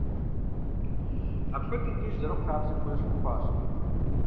Апхуэдэм деж зэрыхъу хабзэм ещхьу хъуащ.